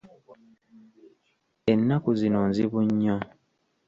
Ennaku zino nzibu nnyo.